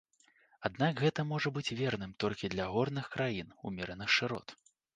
Аднак гэта можа быць верным толькі для горных краін умераных шырот.